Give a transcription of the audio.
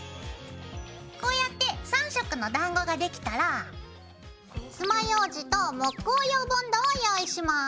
こうやって３色のだんごができたらつまようじと木工用ボンドを用意します。